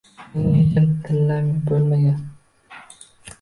– Mening hecham tillam bo‘lmagan